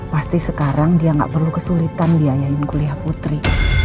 pasti sekarang dia nggak perlu kesulitan biayain kuliah putri